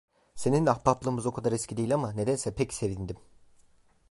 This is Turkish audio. Seninle ahbaplığımız o kadar eski değil ama, nedense pek sevindim.